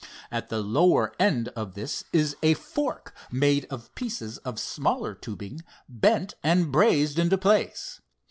At the lower end of this is a fork made of pieces of smaller tubing, bent and brazed into place.